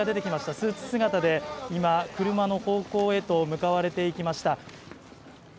スーツ姿で、今、車の方向へと向かわれていきました。